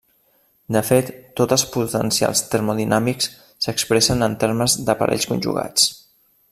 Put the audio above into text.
De fet, tots els potencials termodinàmics s'expressen en termes de parells conjugats.